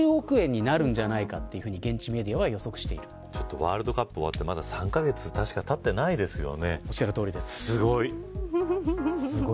ワールドカップ終わってまだ３カ月しかたっていないですよね。